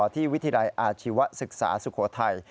ที่วิทยาลัยอาชีวศึกษาสุโขทัย